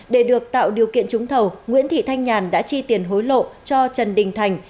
để được tạo điều kiện trúng thầu nguyễn thị thanh nhàn đã chi tiền hối lộ cho trần đình thành